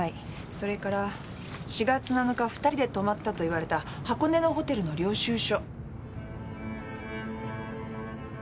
それから４月７日２人で泊まったといわれた箱根のホテルの領収書。